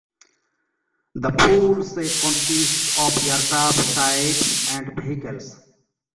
The full set consists of aircraft types and vehicles.